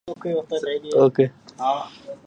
أحب المهرجان لأن فيه